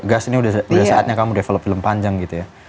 gas ini udah saatnya kamu develop film panjang gitu ya